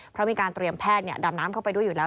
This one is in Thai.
เพราะมีการเตรียมแพทย์ดำน้ำเข้าไปด้วยอยู่แล้ว